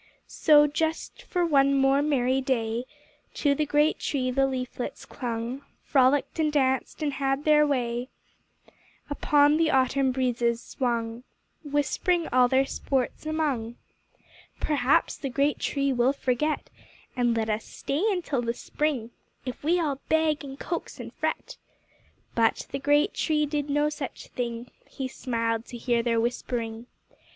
So, for just one more merry day To the great tree the leaflets clung, Frolicked and danced, and had their way, Upon the autumn breezes swung, Whispering all their sports among, "Perhaps the great tree will forget, And let us stay until the spring, If we all beg, and coax, and fret." But the great tree did no such thing; He smiled to hear their whispering.